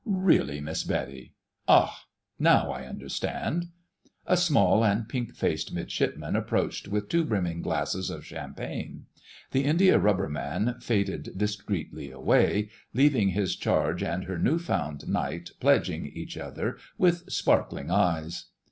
Really, Miss Betty—Ah! Now I can understand...." A small and pink faced Midshipman approached with two brimming glasses of champagne. The Indiarubber Man faded discreetly away, leaving his charge and her new found knight pledging each other with sparkling eyes.